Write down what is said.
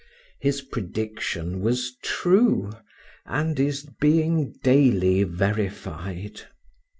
His prediction was true, and is being daily verified.